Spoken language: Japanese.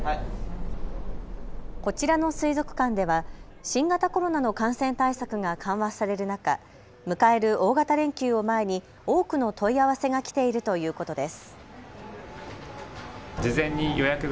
こちらの水族館では新型コロナの感染対策が緩和される中、迎える大型連休を前に多くの問い合わせが来ているということです。